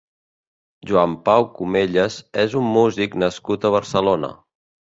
Joan Pau Cumellas és un músic nascut a Barcelona.